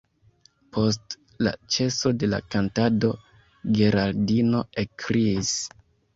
Post la ĉeso de la kantado Geraldino ekkriis: